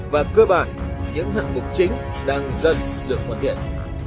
và cơ bản những hạng mục chính đang dần được hoàn thiện